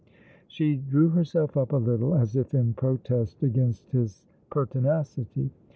She drew herself up a little, as if in protest against his jiertinacity.